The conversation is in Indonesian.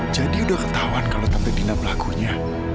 jadi udah ketahuan kalau tante dina pelakunya